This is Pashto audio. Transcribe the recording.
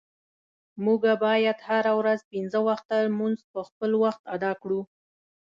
مونږه باید هره ورځ پنځه وخته مونز په خپل وخت اداء کړو.